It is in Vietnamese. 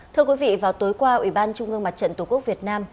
thưa quý vị vào tối qua ủy ban trung ương mặt trận tổ quốc việt nam